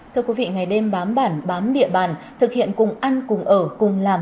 thưa quý vị ngày đêm bám bản bám địa bàn thực hiện cùng ăn cùng ở cùng làm